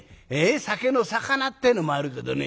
酒のさかなってえのもあるけどね